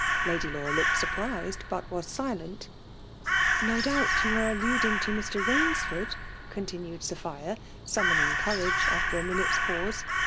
I4idy Laura looked surprised* but was silent* '' No doubt you were alluding to Mr. BainS' ford r* continued Sophia^ summoning couMge after a minutes pause.